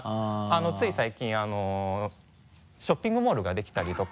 つい最近ショッピングモールができたりとか。